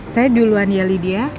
saya duluan ya lydia